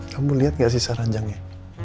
kamu lihat gak sisa ranjangnya